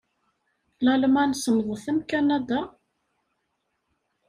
Lalman semmḍet am Kanada?